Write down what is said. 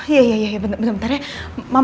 iya iya iya bentar bentar ya